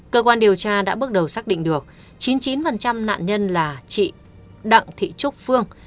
cơ quan điều tra đã bước đầu xác định được chín mươi chín nạn nhân là chị đặng thị trúc phương